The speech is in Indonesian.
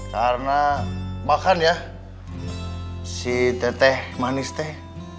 karena bahkan ya si teteh manis teh